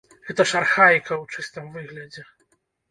Гэта ж архаіка ў чыстым выглядзе!